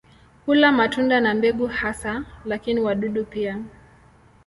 Hula matunda na mbegu hasa, lakini wadudu pia.